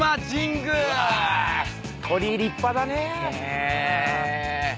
鳥居立派だね。ね。